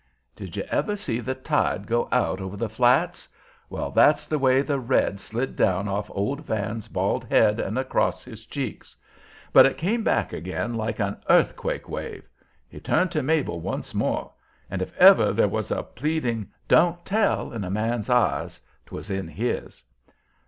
Did you ever see the tide go out over the flats? Well, that's the way the red slid down off old Van's bald head and across his cheeks. But it came back again like an earthquake wave. He turned to Mabel once more, and if ever there was a pleading "Don't tell" in a man's eyes, 'twas in his.